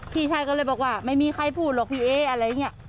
พี่ชายก็เลยบอกว่าไม่มีใครพูดหรอกพี่เอ๊อะไรอย่างนี้